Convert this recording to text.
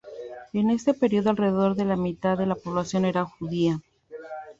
En este período alrededor de la mitad de la población era judía.